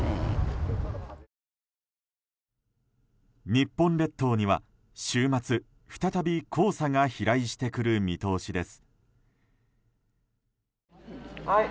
日本列島には週末、再び黄砂が飛来してくる見通しです。